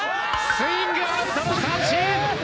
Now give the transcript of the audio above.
スイングアウトの三振！